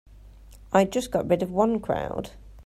I just got rid of one crowd.